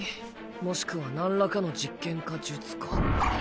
もしくはなんらかの実験か術か。